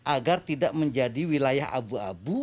agar tidak menjadi wilayah abu abu